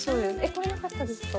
これなかったですか？